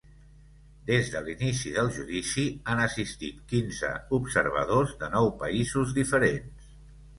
Des de l’inici del judici, han assistit quinze observadors de nou països diferents.